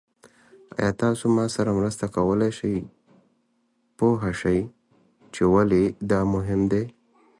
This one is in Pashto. ایا تاسو ما سره مرسته کولی شئ پوه شئ چې ولې دا مهم دی؟